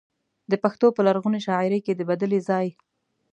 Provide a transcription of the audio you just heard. د پښتو په لرغونې شاعرۍ کې د بدلې ځای.